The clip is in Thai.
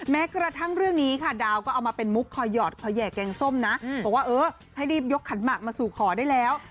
แม้กระทั่งเรื่องนี้ค่ะดาวก็เอามาเป็นมุกคอยหอดคอยแห่แกงส้มนะบอกว่าเออให้รีบยกขันหมากมาสู่ขอได้แล้ว